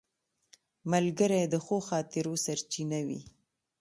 ملګری د ښو خاطرو سرچینه وي